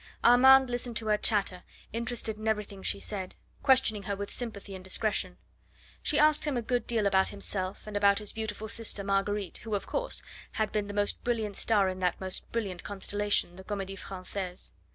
Armand listened to her chatter, interested in everything she said, questioning her with sympathy and discretion. She asked him a good deal about himself, and about his beautiful sister Marguerite, who, of course, had been the most brilliant star in that most brilliant constellation, the Comedie Francaise.